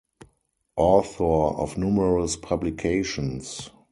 Author of numerous publications.